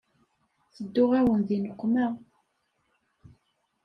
Tedduɣ-awen di nneqma.